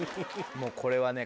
もうこれはね。